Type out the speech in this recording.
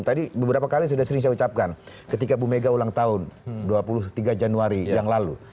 tadi beberapa kali sudah sering saya ucapkan ketika bu mega ulang tahun dua puluh tiga januari yang lalu